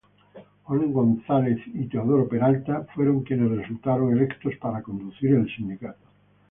Juan Gonzáles y Teodoro Peralta fueron quienes resultaron electos para conducir el sindicato.